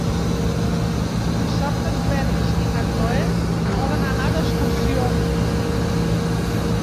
Dissabte en Peris i na Cloè volen anar d'excursió.